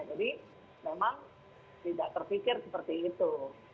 jadi memang tidak terpikir seperti itu